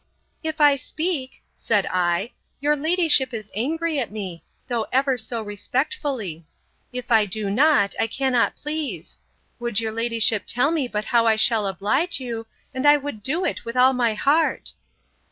If I speak, said I, your ladyship is angry at me, though ever so respectfully; if I do not, I cannot please: Would your ladyship tell me but how I shall oblige you, and I would do it with all my heart.